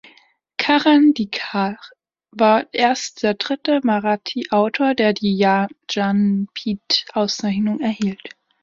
Karandikar war erst der dritte Marathi-Autor, der die Jnanpith-Auszeichnung erhielt.